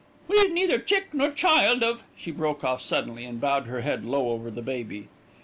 We've neither chick nor child of " She broke off suddenly, and bowed her head low over the baby.